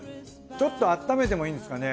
ちょっと温めてもいいんですかね。